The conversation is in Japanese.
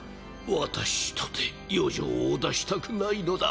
私とて余剰を出したくないのだ。